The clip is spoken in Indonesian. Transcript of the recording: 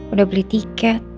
udah beli tiket